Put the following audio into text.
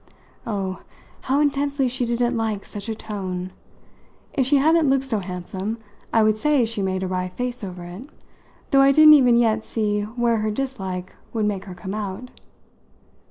Oh, how intensely she didn't like such a tone! If she hadn't looked so handsome I would say she made a wry face over it, though I didn't even yet see where her dislike would make her come out.